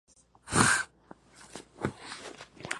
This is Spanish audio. Ha sido publicado en varias ocasiones.